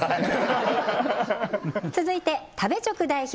続いて食べチョク代表